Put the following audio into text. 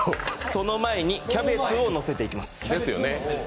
その前にキャベツを乗せていきます。